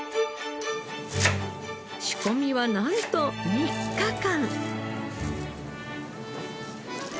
仕込みはなんと３日間！